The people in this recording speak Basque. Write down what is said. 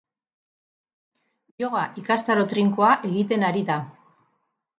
Yoga ikastaro trinkoa egiten ari da.